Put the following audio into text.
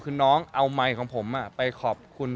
คือน้องเอาไมค์ของผมไปขอบคุณ